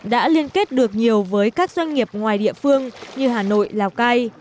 đã liên kết được nhiều với các doanh nghiệp ngoài địa phương như hà nội lào cai